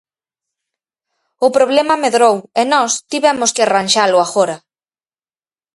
O problema medrou e nós tivemos que arranxalo agora.